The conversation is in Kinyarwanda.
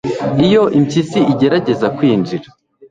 iyo impyisi igerageza kwinjira